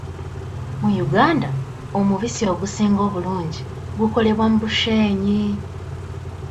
Mu Uganda omubisi ogusinga obulungi gukolebwa mu Bushenyi.